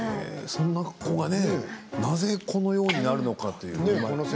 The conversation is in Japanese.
そんな子が、なぜこのようになるのかというね。